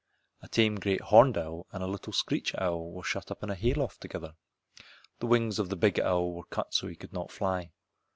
A tame great horned owl and a little screech owl were shut up in a hay loft together. The wings of the big owl were cut so he could not fly.